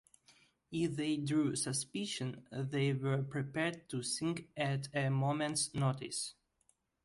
If they drew suspicion, they were prepared to sing at a moment's notice.